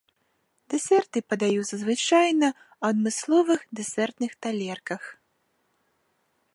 Дэсерты падаюцца звычайна ў адмысловых дэсертных талерках.